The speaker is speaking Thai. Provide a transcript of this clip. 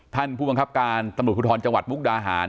ผู้บังคับการตำรวจภูทรจังหวัดมุกดาหาร